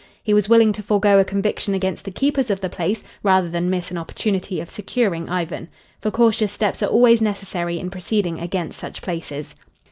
He was willing to forego a conviction against the keepers of the place rather than miss an opportunity of securing Ivan. For cautious steps are always necessary in proceeding against such places.